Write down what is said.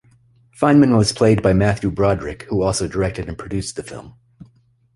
Feynman was played by Matthew Broderick, who also directed and produced the film.